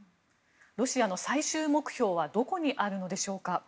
ロシアの最終目標はどこにあるのでしょうか？